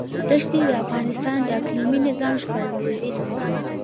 دښتې د افغانستان د اقلیمي نظام ښکارندوی ده.